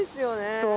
そう。